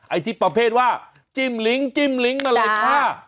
ไอ้ที่ประเภทว่าจิ้มลิ้งจิ้มลิ้งมาเลยค่ะ